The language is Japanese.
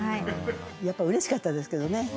やっぱ嬉しかったですけどね。